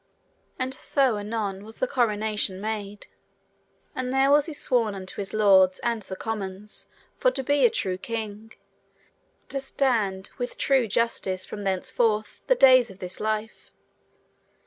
And so anon was the coronation made. And there was he sworn unto his lords and the commons for to be a true king, to stand with true justice from thenceforth the days of this life.